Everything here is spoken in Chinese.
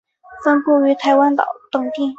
分布于台湾岛等地。